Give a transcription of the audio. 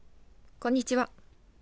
こんにちは。